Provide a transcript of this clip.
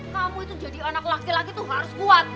kamu itu jadi anak laki laki tuh harus kuat